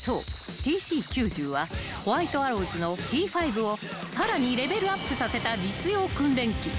ＴＣ−９０はホワイトアローズのＴ−５をさらにレベルアップさせた実用訓練機］